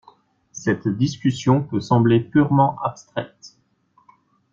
Cette discussion peut sembler purement abstraite.